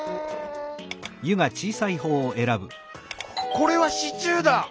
「これはシチューだ！」。